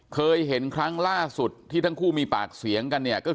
เคยเห็นครั้งล่าสุดที่ทั้งคู่มีปากเสียงกันเนี่ยก็คือ